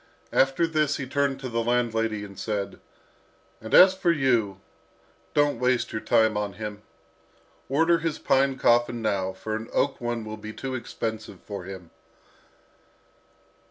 After this he turned to the landlady, and said, "And as for you, don't waste your time on him. Order his pine coffin now, for an oak one will be too expensive for him."